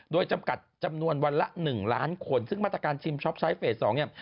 โดยจำกัดจำนวนวันละ๑ล้านคนซึ่งมาตรการชิมช็อปใช้เฟส๒เนี่ย